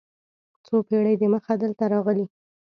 څو پېړۍ دمخه دلته راغلي.